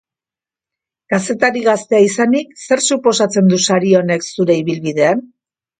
Kazetari gaztea izanik, zer suposatzen du sari honek zure ibilbidean?